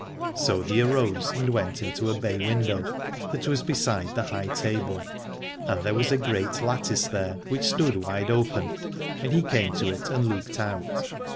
So he arose and went into a bay window that was beside the high table, and there was a great lattice there which stood wide open, and he came to it and looked out.